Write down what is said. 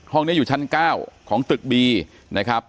ห้องนี้อยู่ชั้น๙ของตึกบีนะครับ